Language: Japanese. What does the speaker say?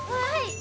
はい？